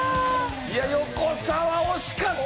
いや横澤惜しかった！